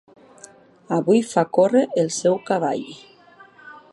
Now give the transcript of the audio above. Avui fa córrer el seu cavall.